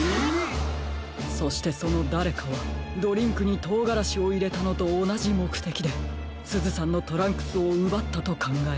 そしてそのだれかはドリンクにとうがらしをいれたのとおなじもくてきですずさんのトランクスをうばったとかんがえられます。